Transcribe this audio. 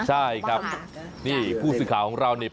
ใช่ครับนี่ผู้สื่อข่าวของเรานี่